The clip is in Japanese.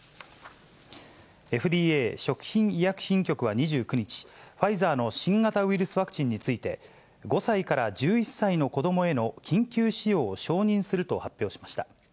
ＦＤＡ・食品医薬品局は２９日、ファイザーの新型ウイルスワクチンについて、５歳から１１歳の子どもへの緊急使用を承認すると発表しました。